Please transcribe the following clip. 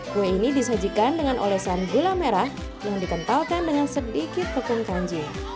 kue ini disajikan dengan olesan gula merah yang dikentalkan dengan sedikit tepung kanjeng